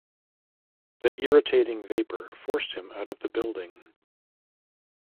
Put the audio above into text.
The irritating vapor forced him out of the building.